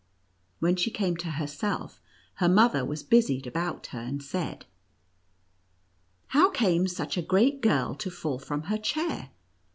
When she came to her self, her mother was busied about her, and said :" How came such a great girl to fall from her chair?